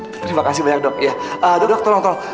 terima kasih banyak dok ya dok dok tolong tolong